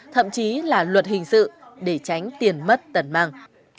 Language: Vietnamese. thậm chí là luật hình sự để tránh tiền mất tẩn mang